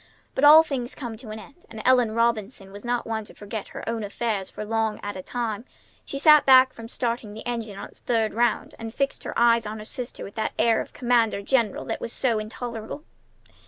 But all things come to an end, and Ellen Robinson was not one to forget her own affairs for long at a time. She sat back from starting the engine on its third round, and fixed her eyes on her sister with that air of commander general that was so intolerable.